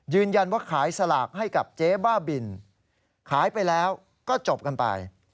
ขายสลากให้กับเจ๊บ้าบินขายไปแล้วก็จบกันไป